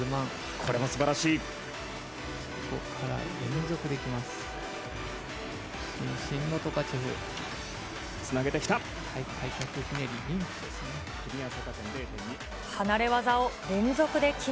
ここから連続でいきます。